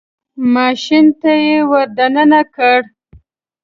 ماشین ته یې ور دننه کړ.